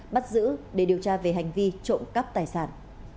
bắt giữ để điều tra về hành vi trộm cắp tài sản